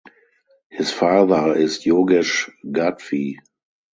His father is Yogesh Gadhvi.